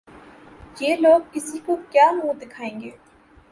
یہ لوگ کسی کو کیا منہ دکھائیں گے؟